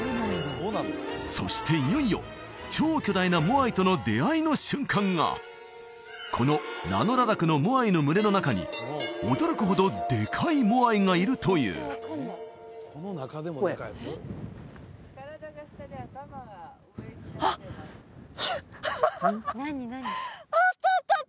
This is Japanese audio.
そしていよいよ超巨大なモアイとの出会いの瞬間がこのラノ・ララクのモアイの群れの中に驚くほどでかいモアイがいるという・体が下で頭が上になってますあっ！